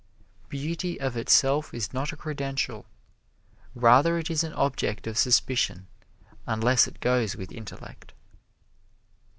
Beauty of itself is not a credential rather it is an object of suspicion, unless it goes with intellect.